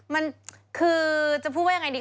มันคือจะพูดว่ายังไงดี